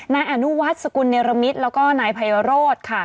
นายอนุวัฒน์สกุลเนรมิตรแล้วก็นายไพโรธค่ะ